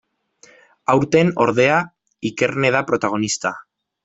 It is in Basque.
Aurten, ordea, Ikerne da protagonista.